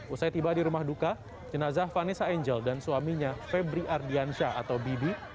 usai tiba di rumah duka jenazah vanessa angel dan suaminya febri ardiansyah atau bibi